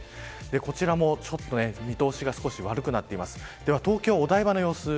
こちらも見通しが少し悪くなっています。